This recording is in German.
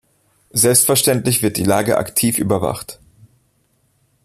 Selbstverständlich wird die Lage aktiv überwacht.